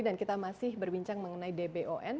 dan kita masih berbincang mengenai dbon